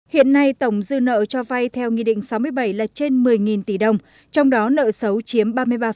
hiện nay tổng dư nợ cho vay theo nghị định sáu mươi bảy là trên một mươi tỷ đồng trong đó nợ xấu chiếm ba mươi ba